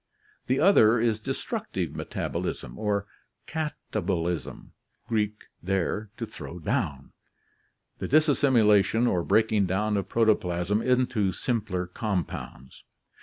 The other is destructive metabolism or kalabolism (Gr. /card, down, and fidWeiv, to throw) — the disas similation or breaking down of protoplasm into simpler compounds.